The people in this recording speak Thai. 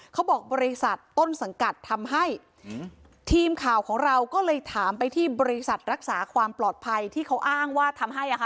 บริษัทต้นสังกัดทำให้ทีมข่าวของเราก็เลยถามไปที่บริษัทรักษาความปลอดภัยที่เขาอ้างว่าทำให้อ่ะค่ะ